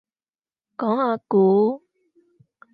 講下股